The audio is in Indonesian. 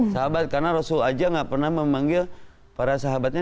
sahabat karena rasul aja gak pernah memanggil para sahabatnya